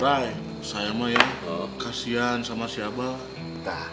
rai saya mah ya kasian sama si abah